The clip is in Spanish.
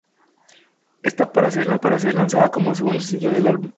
Está programada para ser lanzada como segundo sencillo del álbum.